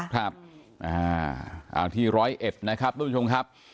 ครับเอาที่ร้อยเอ็ดนะครับทุกผู้ชมครับ